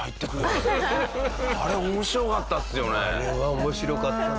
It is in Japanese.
あれは面白かったな。